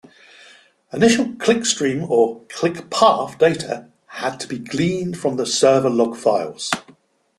Initial clickstream or click path data had to be gleaned from server log files.